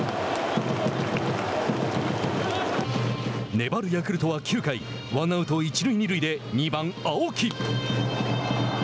粘るヤクルトは９回ワンアウト、一塁二塁で２番青木。